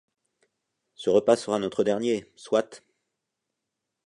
Ce repas sera notre dernier, soit !